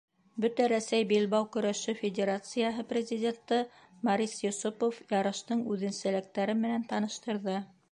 Бөтә Рәсәй Билбау көрәше федерацияһы президенты Морис Йосопов ярыштың үҙәнсәлектәре менән таныштырҙы.